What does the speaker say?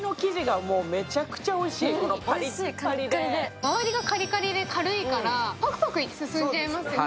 周りがパリパリでおいしいからパクパク進んじゃいますね。